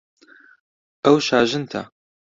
ئەو شاژنتە.